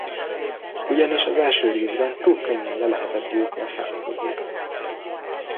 Ugyanis az első részben túl könnyen le lehetett győzni a számítógépet.